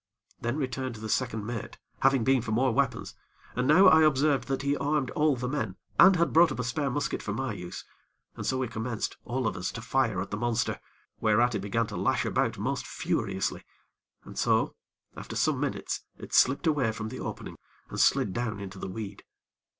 Then returned the second mate, having been for more weapons, and now I observed that he armed all the men, and had brought up a spare musket for my use, and so we commenced, all of us, to fire at the monster, whereat it began to lash about most furiously, and so, after some minutes, it slipped away from the opening and slid down into the weed.